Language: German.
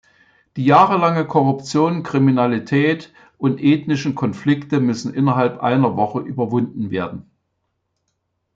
Die jahrelange Korruption, Kriminalität und ethnischen Konflikte müssen innerhalb einer Woche überwunden werden.